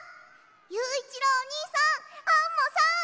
ゆういちろうおにいさんアンモさん！